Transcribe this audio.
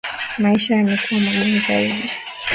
Maisha yamekuwa magumu zaidi.